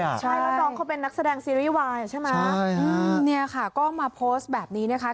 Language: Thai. ใช่แล้วน้องเขาเป็นนักแสดงซีรีส์วายใช่ไหมเนี่ยค่ะก็มาโพสต์แบบนี้นะคะ